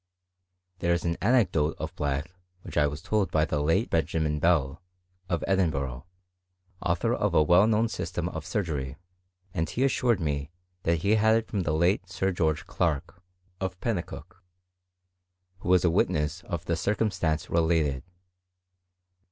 There is an anecdote of Black which I was told by the late Mr. Benjamin Bell, of Edinburgh, author of a well known system of surgery, and he assured me that he had it from the late Sir George Clarke, o£ CHEHIST&T HC GREAT BRITAIN. 929 Penniciiiky who was a witness of the circumstance ^^^lated.